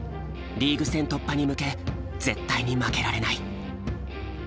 リーグ戦突破に向け絶対に負けられない。